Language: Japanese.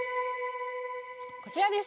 こちらです